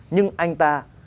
nhưng anh ta